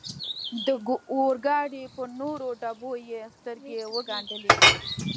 د اورګاډي پر نورو ډبو یې سترګې و ګنډلې.